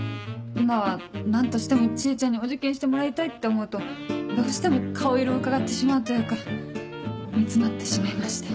今は何としても知恵ちゃんにお受験してもらいたいって思うとどうしても顔色をうかがってしまうというか煮詰まってしまいまして。